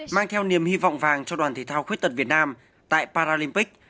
mang theo niềm hy vọng vàng cho đoàn thể thao khuyết tật việt nam tại paralympic